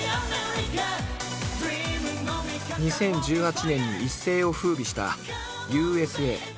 ２０１８年に一世をふうびした「Ｕ．Ｓ．Ａ．」。